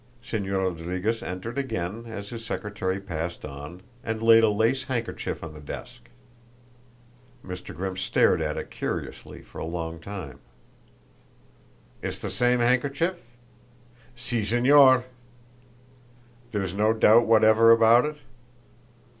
Señor Rodriguez entered again as his secretary passed on, and laid a lace handkerchief on the desk. Mr. Grimm stared at it curiously for a long time. "It's the same handkerchief?" "Si, Señor." "There's no doubt whatever about it?"